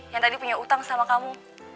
yang tadi punya utang sama kamu